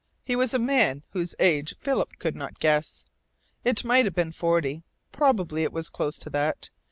He was a man whose age Philip could not guess. It might have been forty. Probably it was close to that.